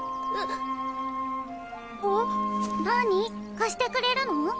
貸してくれるの？